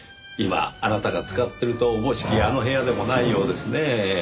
今あなたが使ってるとおぼしきあの部屋でもないようですねぇ。